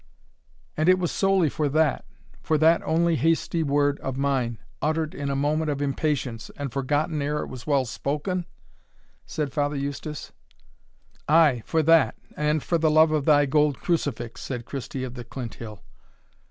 "And it was solely for that for that only hasty word of mine, uttered in a moment of impatience, and forgotten ere it was well spoken?" said Father Eustace. "Ay! for that, and for the love of thy gold crucifix," said Christie of the Clinthill.